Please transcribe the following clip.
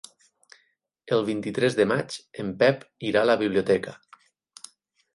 El vint-i-tres de maig en Pep irà a la biblioteca.